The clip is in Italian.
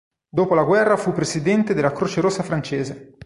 Dopo la guerra fu presidente della Croce Rossa francese.